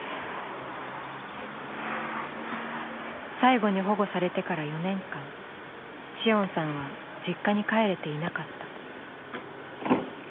最後に保護されてから４年間紫桜さんは実家に帰れていなかった。